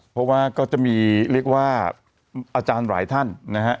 เพราะว่าก็จะมีเรียกว่าอาจารย์หลายท่านนะฮะ